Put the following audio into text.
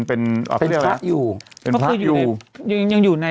เป็นุ่มพระอยู่